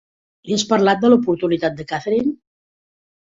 Li has parlat de l'oportunitat a Katherine?